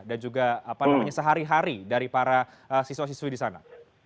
dan juga sehari hari dari para siswa siswi di sana